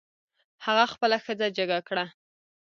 هغه خپله ښځه جګه کړه.